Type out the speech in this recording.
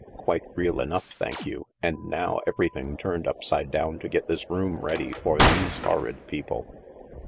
"Quite real enough, thank you. And now everything turned upside down to get this room ready for these horrid people."